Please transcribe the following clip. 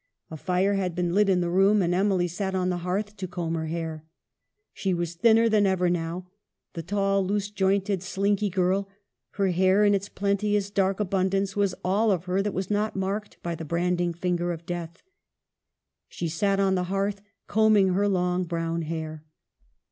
A fire had been lit in the room, and Emily sat on the hearth to comb her hair. She was thinner than ever now — the tall, loose jointed " slinky " girl — her hair in its plenteous dark abundance was all of her that was not marked by the branding finger of death. She sat on the hearth combing her long brown hair.